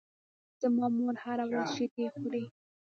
زما مور هره ورځ شیدې خوري.